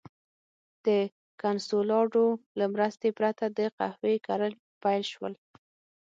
د کنسولاډو له مرستې پرته د قهوې کرل پیل شول.